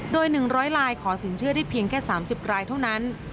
โดย๑๐๐ลายขอสินเชื่อได้เพียงแค่๓๐รายเท่านั้น